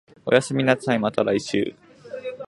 おやすみなさい、また来週